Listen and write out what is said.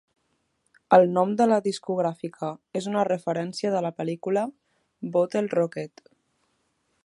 El nom de la discogràfica és una referència de la pel·lícula "Bottle Rocket".